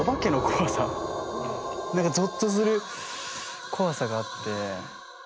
何かぞっとする怖さがあって。